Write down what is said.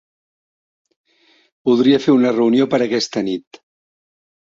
Voldria fer una reunió per aquesta nit.